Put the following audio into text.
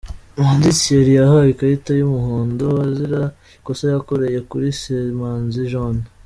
Manzi Thierry yahawe ikarita y’umuhondo azira ikosa yakoreye kuri Ssemazi John.